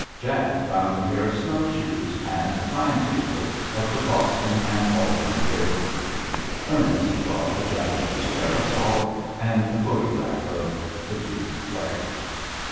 Jack found a pair of snow shoes, and a time table of the Boston and Albany Railroad. Ernest brought a Japanese parasol and a photograph of the Greek play.